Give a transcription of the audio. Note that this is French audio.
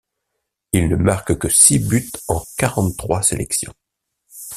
Il ne marque que six buts en quarante-trois sélections.